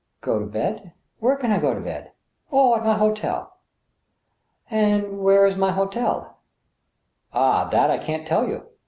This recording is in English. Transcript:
" Go to bed ?.•. Where can I go to bed ?... Oh ! at my hotel. ... And where is my hotel ?"" Ah ! that I can't tell you. .